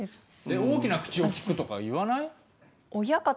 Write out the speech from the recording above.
「大きな口をきく」とか言わない？